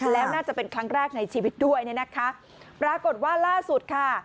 แล้วน่าจะเป็นครั้งแรกในชีวิตด้วยเนี่ยนะคะปรากฏว่าล่าสุดค่ะ